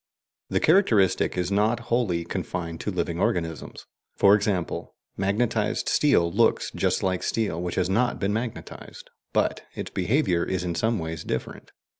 The characteristic is not wholly confined to living organisms. For example, magnetized steel looks just like steel which has not been magnetized, but its behaviour is in some ways different.